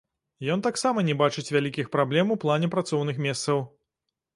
Ён таксама не бачыць вялікіх праблем у плане працоўных месцаў.